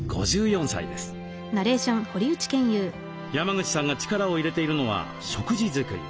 山口さんが力を入れているのは食事作り。